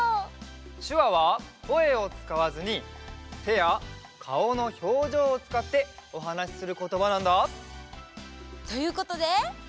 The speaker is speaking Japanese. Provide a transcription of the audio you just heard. しゅわはこえをつかわずにてやかおのひょうじょうをつかっておはなしすることばなんだ。ということでクイズ！